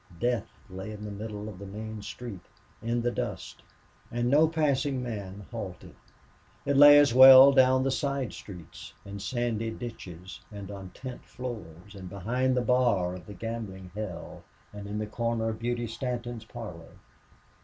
Death lay in the middle of the main street, in the dust and no passing man halted. It lay as well down the side streets in sandy ditches, and on tent floors, and behind the bar of the gambling hell, and in a corner of Beauty Stanton's parlor.